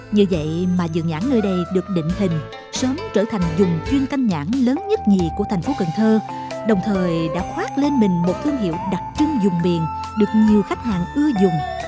như vậy mà dự nhãn nơi đây được định hình sớm trở thành dùng chuyên canh nhãn lớn nhất nhì của thành phố cần thơ đồng thời đã khoát lên mình một thương hiệu đặc trưng dùng miền được nhiều khách hàng ưa dùng